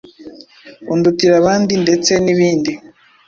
Undutira abandi ndetse n’ibindi.